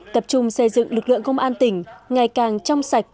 tập trung xây dựng lực lượng công an tỉnh ngày càng trong sạch